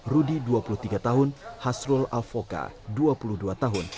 rudy dua puluh tiga tahun hasrul alvoka dua puluh dua tahun